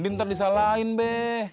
ntar disalahin be